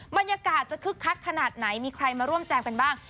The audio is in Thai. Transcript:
บรรยากาศจะคึกคักขนาดไหนมีใครมาร่วมแจงกันบ้าง